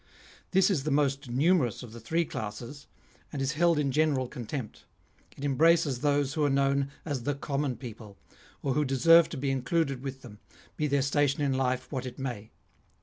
This is the most numerous of the three classes, and is held in general contempt. It embraces those who are known as the common people, or who deserve to be included with them, be their station in life what it may.